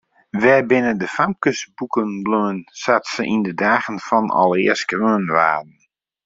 Wêr binne de famkesboeken bleaun sa't se yn de dagen fan alear skreaun waarden?